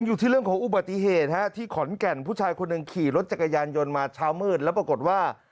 อยู่ที่เรื่องของอุบัติเหตุฮะที่ขอนแก่นผู้ชายคนหนึ่งขี่รถจักรยานยนต์มาเช้ามืดแล้วปรากฏว่า